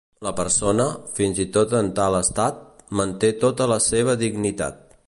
La persona, fins i tot en tal estat, manté tota la seva dignitat.